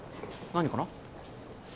何かな？